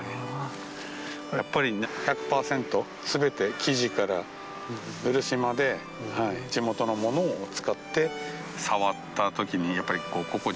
やっぱり１００％全て木地から漆まで地元のものを使って触った時にやっぱり心地よい感じ。